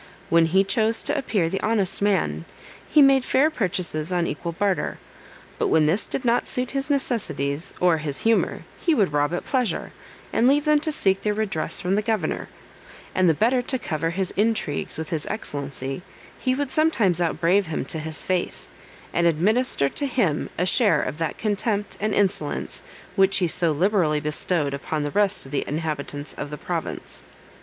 When he chose to appear the honest man, he made fair purchases on equal barter; but when this did not suit his necessities, or his humor, he would rob at pleasure, and leave them to seek their redress from the governor; and the better to cover his intrigues with his excellency, he would sometimes outbrave him to his face, and administer to him a share of that contempt and insolence which he so liberally bestowed upon the rest of the inhabitants of the province.